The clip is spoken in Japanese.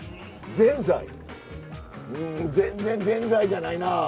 全然ぜんざいじゃないな。